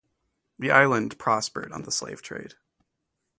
The island prospered on the slave trade.